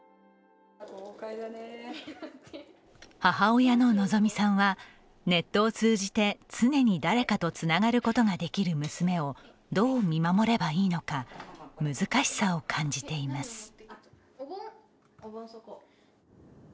母親ののぞみさんはネットを通じて常に誰かとつながることができる娘をどう見守ればいいのか難しさを感じています。